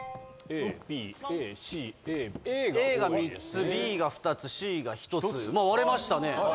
Ａが３つＢが２つＣが１つまぁ割れましたね。